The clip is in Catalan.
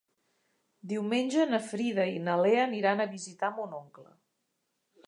Diumenge na Frida i na Lea aniran a visitar mon oncle.